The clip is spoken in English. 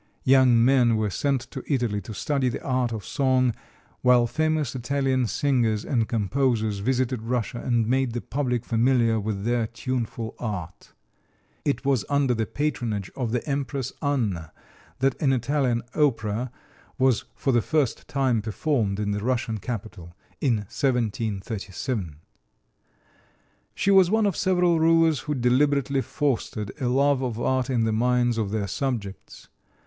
Young men were sent to Italy to study the art of song, while famous Italian singers and composers visited Russia and made the public familiar with their tuneful art. It was under the patronage of the Empress Anna that an Italian opera was for the first time performed in the Russian capital, in 1737. She was one of several rulers who deliberately fostered a love of art in the minds of their subjects.